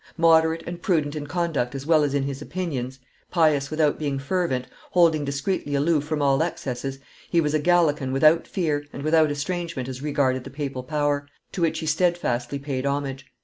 Moderate and prudent in conduct as well as in his opinions, pious without being fervent, holding discreetly aloof from all excesses, he was a Gallican without fear and without estrangement as regarded the papal power, to which he steadfastly paid homage.